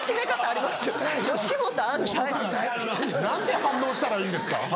何て反応したらいいんですか？